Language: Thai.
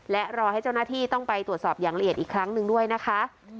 และรอให้เจ้าหน้าที่ต้องไปตรวจสอบอย่างละเอียดอีกครั้งหนึ่งด้วยนะคะ